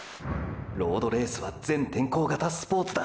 ロードレースは全天候型スポーツだ。